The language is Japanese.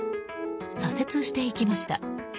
左折していきました。